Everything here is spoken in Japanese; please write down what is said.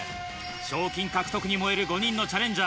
賞金獲得に燃える５人のチャレンジャー。